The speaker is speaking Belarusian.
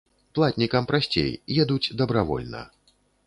Платнікам прасцей, едуць дабравольна.